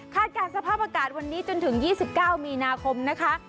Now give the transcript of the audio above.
การสภาพอากาศวันนี้จนถึง๒๙มีนาคมนะคะ